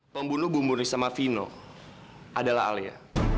pembunuh bu murni sama fino adalah alia